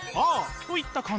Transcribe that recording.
といった感じ。